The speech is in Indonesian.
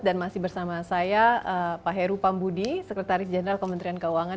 dan masih bersama saya pak heru pambudi sekretaris jeneral kementerian keuangan